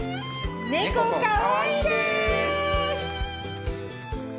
ネコかわいいです！